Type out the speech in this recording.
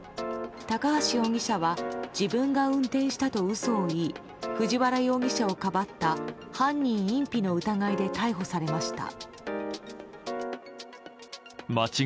高橋容疑者は自分が運転したと嘘を言い藤原容疑者をかばった犯人隠避の疑いで逮捕されました。